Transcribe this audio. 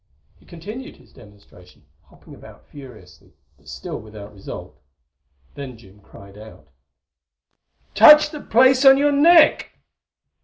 He continued his demonstration, hopping about furiously, but still without result. Then Jim cried out: "Touch the place on your neck!"